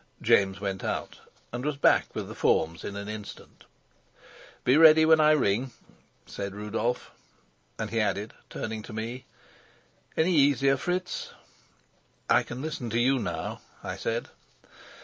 James went out, and was back with the forms in an instant. "Be ready when I ring," said Rudolf. And he added, turning to me, "Any easier, Fritz?" "I can listen to you now," I said.